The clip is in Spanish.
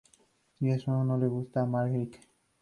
Y eso no le gusta a Manrique.